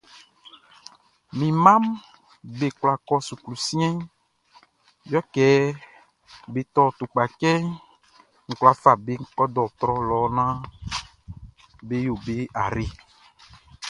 Mi mmaʼm be kwla kɔ suklu siɛnʼn, yɛ kɛ be tɔ tukpacɛʼn, n kwla fa be kɔ dɔɔtrɔ lɔ naan be yo be ayre.